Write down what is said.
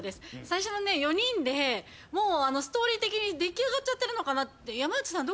最初のね４人でもうストーリー的に出来上がっちゃってるのかなって。